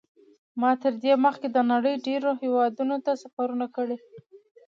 ما تر دې مخکې د نړۍ ډېرو هېوادونو ته سفرونه کړي.